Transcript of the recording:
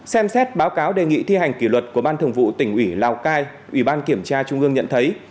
xem xét báo cáo đề nghị thi hành kỷ luật của ban thường vụ tỉnh ủy lào cai ủy ban kiểm tra trung ương nhận thấy